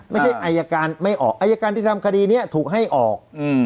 อายการไม่ออกอายการที่ทำคดีนี้ถูกให้ออก